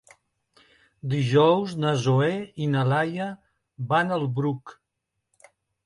Dijous na Zoè i na Laia van al Bruc.